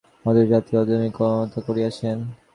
Office জাতি ইত্যাদি আধুনিক ব্রাহ্মণ-মহাত্মারা করিয়াছেন।